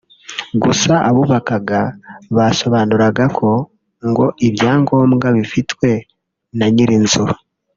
gusa abubakaga basobanuraga ko ngo ibyangombwa bifitwe na nyiri inzu